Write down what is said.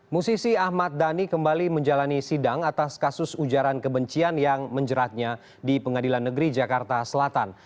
musisi ahmad dhani kembali menjalani sidang atas kasus ujaran kebencian yang menjeratnya di pengadilan negeri jakarta selatan